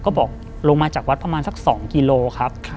ก็บอกลงมาจากวัดประมาณสัก๒กิโลครับ